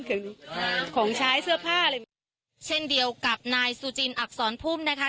เอ่อของใช้เสื้อผ้าเลยเช่นเดียวกับนายสุจินอักษรพุ่มนะคะ